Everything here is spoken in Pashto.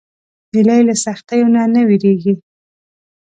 هیلۍ له سختیو نه نه وېرېږي